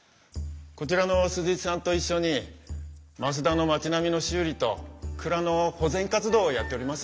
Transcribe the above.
こちらの鈴石さんと一緒に増田の町並みの修理と蔵の保全活動をやっております。